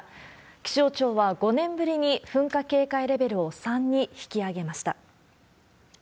気象庁は５年ぶりに噴火警戒レベルを３に引き上げました。